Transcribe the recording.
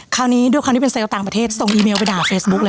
คราวนี้ด้วยความที่เป็นเซลล์ต่างประเทศส่งอีเมลไปด่าเฟซบุ๊คเลย